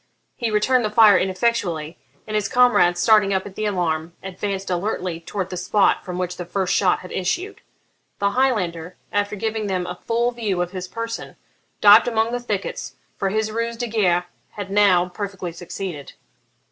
He returned the fire ineffectually, and his comrades, starting up at the alarm, advanced alertly towards the spot from which the first shot had issued. The Highlander, after giving them a full view of his person, dived among the thickets, for his ruse de guerre had now perfectly succeeded.